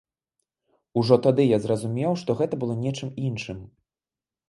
Ужо тады я зразумеў, што гэта было нечым іншым.